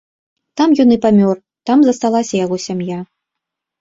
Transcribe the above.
Там ён і памёр, там засталася яго сям'я.